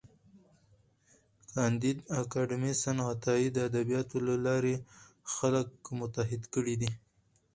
کانديد اکاډميسن عطايي د ادبياتو له لارې خلک متحد کړي دي.